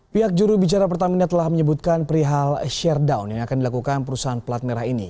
pihak jurubicara pertamina telah menyebutkan perihal share down yang akan dilakukan perusahaan pelat merah ini